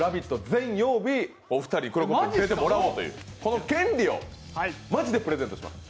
全曜日、お二人、クロコップに出てもらおうというこの権利をマジでプレゼントします。